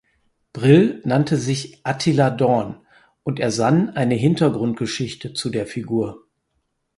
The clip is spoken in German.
Brill nannte sich Attila Dorn und ersann eine Hintergrundgeschichte zu der Figur.